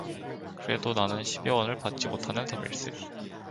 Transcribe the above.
그래도 나는 십여 원을 받지 못하는 셈일세.